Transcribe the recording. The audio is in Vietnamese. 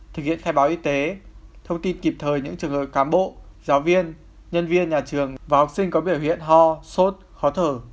thực hiện khai báo y tế thông tin kịp thời những trường hợp cán bộ giáo viên nhân viên nhà trường và học sinh có biểu hiện ho sốt khó thở